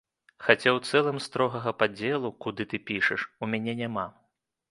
Хаця ў цэлым строгага падзелу, куды ты пішаш, у мяне няма.